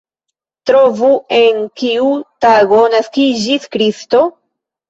Trovu, en kiu tago naskiĝis Kristo?